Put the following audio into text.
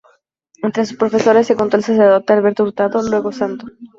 Entre sus profesores se contó el sacerdote Alberto Hurtado, luego santo.